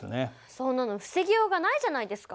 そんなの防ぎようがないじゃないですか。